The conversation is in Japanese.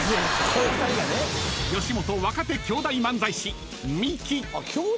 ［吉本若手兄弟漫才師］